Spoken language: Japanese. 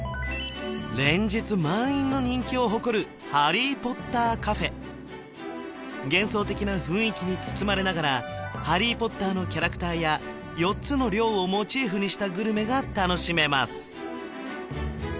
連日満員の人気を誇るＨａｒｒｙＰｏｔｔｅｒＣａｆｅ幻想的な雰囲気に包まれながら「ハリー・ポッター」のキャラクターや４つの寮をモチーフにしたグルメが楽しめます